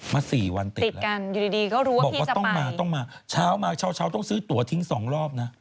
มา๔วันติดแล้วบอกว่าต้องมาช้าวต้องซื้อตัวทิ้ง๒รอบนะ